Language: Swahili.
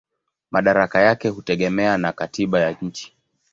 Madaraka yake hutegemea na katiba ya nchi.